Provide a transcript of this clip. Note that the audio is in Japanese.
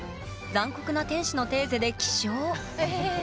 「残酷な天使のテーゼ」で起床。